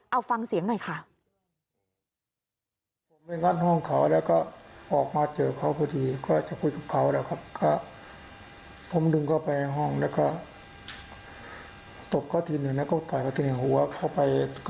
เอาฟังเสียงหน่อยค่ะ